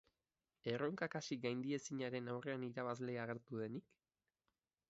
Erronka kasik gaindiezinaren aurrean irabazle agertu denik?